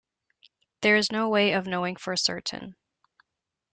There is no way of knowing for certain.